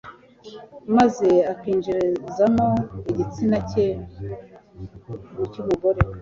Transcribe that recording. maze akinjizamo igitsina cye mu cy'umugore